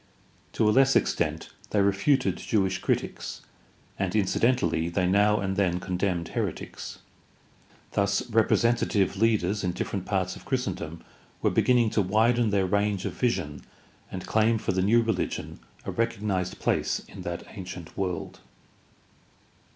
To a less extent they refuted Jewish critics, and incidentally they now and then condemned heretics. Thus representative leaders in different parts of Christendom were beginning to widen their range of vision and claim for the new rehgion a recog nized place in that ancient world.